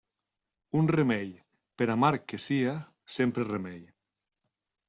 Un remei per amarg que sia, sempre és remei.